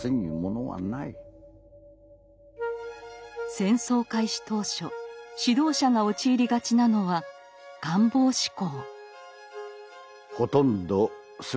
戦争開始当初指導者が陥りがちなのは「願望思考」。